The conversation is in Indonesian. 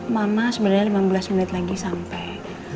mama sebenarnya lima belas menit lagi sampai